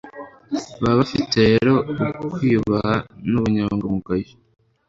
Baba bafite rero ukwiyubaha nubunyangamugayo